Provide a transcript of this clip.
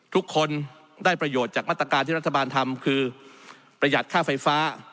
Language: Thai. ทุกคนได้ประโยชน์จากมาตรการที่รัฐบาลทำคือประหยัดค่าไฟฟ้า